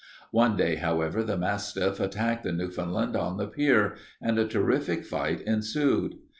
One day, however, the mastiff attacked the Newfoundland on the pier, and a terrific fight ensued.